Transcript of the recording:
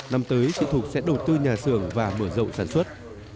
năm tới chị thục sẽ đầu tư nhà xưởng và mở rộng sản xuất